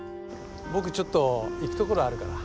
僕ちょっと行くところあるから。